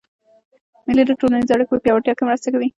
مېلې د ټولنیزو اړیکو په پیاوړتیا کښي مرسته کوي.